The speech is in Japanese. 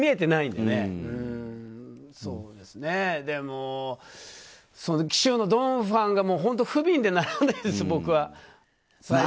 でも、紀州のドン・ファンが不憫でならないです、僕は。